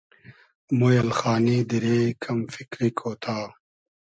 مۉ اېلخانی دیرې کئم فیکری کۉتا